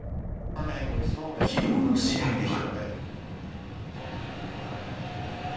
きのうの試合では。